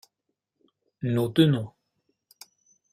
Nos deux noms.